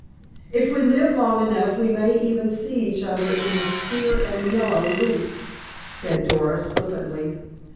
"If we live long enough we may even see each other in the sere and yellow leaf," said Doris flippantly.